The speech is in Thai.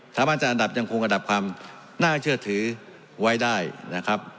สามารถจัดอันดับยังคงอันดับความน่าเชื่อถือไว้ได้นะครับ